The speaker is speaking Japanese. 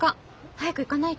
早く行かないと。